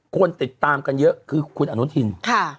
คนติดตามกันเยอะคือคุณอนุทิน